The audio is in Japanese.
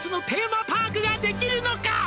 「テーマパークができるのか」